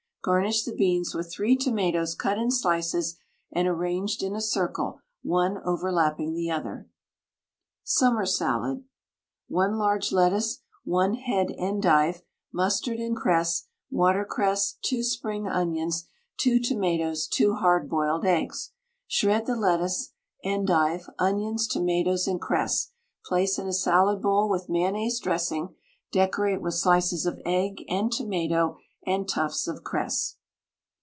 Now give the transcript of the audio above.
Garnish the beans with three tomatoes cut in slices and arranged in a circle one overlapping the other. SUMMER SALAD. 1 large lettuce, 1 head endive, mustard and cress, watercress, 2 spring onions, 2 tomatoes, two hard boiled eggs. Shred the lettuce, endive, onions, tomatoes, and cress, place in a salad bowl with mayonnaise dressing, decorate with slices of egg and tomato and tufts of cress.